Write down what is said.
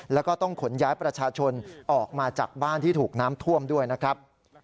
แล้วก็ต้องขนย้ายประชาชนออกมาจากบ้านที่ถูกน้ำท่วมด้วยนะครับ